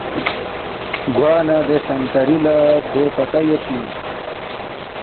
گوانہ دے سنتری لہ دو پتہ یودپی اِنسُوک